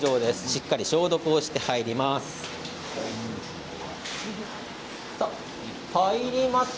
しっかり消毒をして入ります。